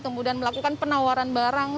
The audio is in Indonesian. kemudian melakukan penawaran barang